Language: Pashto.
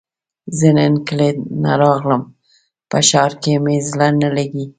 زۀ نن کلي نه راغلم په ښار کې مې زړه نه لګي